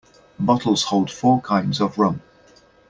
Bottles hold four kinds of rum.